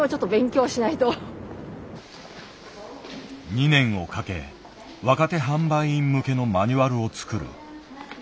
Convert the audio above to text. ２年をかけ若手販売員向けのマニュアルを作る。